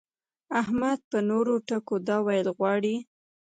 احمد په نورو ټکو دا ويل غواړي.